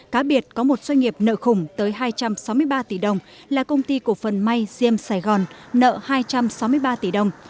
cá biệt có một doanh nghiệp nợ khủng tới hai trăm sáu mươi ba tỷ đồng là công ty cổ phần may diêm sài gòn nợ hai trăm sáu mươi ba tỷ đồng